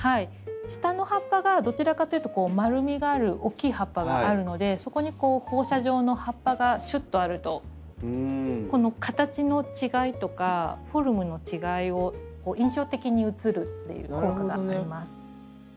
下の葉っぱがどちらかというと丸みがある大きい葉っぱがあるのでそこに放射状の葉っぱがシュッとあるとこの形の違いとかフォルムの違いを印象的に映るっていう効果があります。